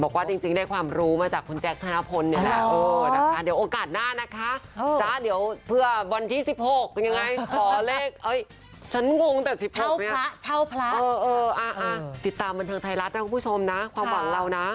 เครียดจริง